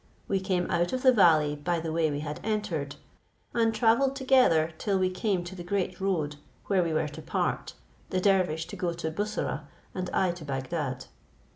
We came out of the valley by the way we had entered, and travelled together till we came to the great road, where we were to part; the dervish to go to Bussorah, and I to Bagdad.